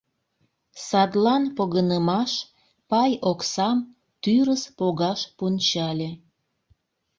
Садлан погынымаш пай оксам тӱрыс погаш пунчале.